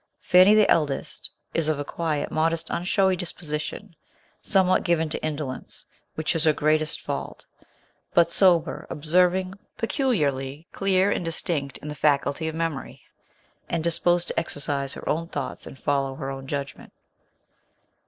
Fanny, the eldest, is of a quiet, modest, unshowy disposition, some what given to indolence, which is her greatest fault, but sober, observing, peculiarly clear and distinct in the faculty of memory, and disposed to exercise her own thoughts and follow her own judgment.